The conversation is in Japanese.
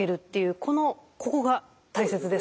このここが大切ですね。